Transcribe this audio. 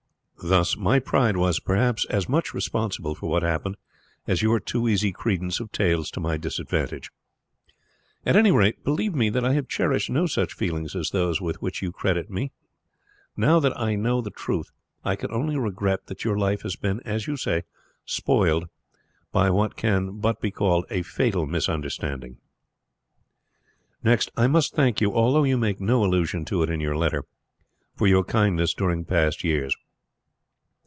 Thus my pride was, perhaps, as much responsible for what happened as your too easy credence of tales to my disadvantage. At any rate, believe me that I have cherished no such feelings as those with which you credit me toward you. Now that I know the truth, I can only regret that your life has been, as you say, spoiled, by what can but be called a fatal misunderstanding. "Next, I must thank you, although you make no allusion to it in your letter, for your kindness during past years.